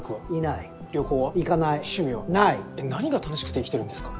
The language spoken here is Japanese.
え何が楽しくて生きてるんですか？